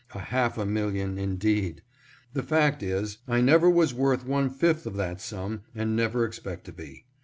A half a million indeed ! The fact is, I never was worth one fifth of that sum and never expect to be.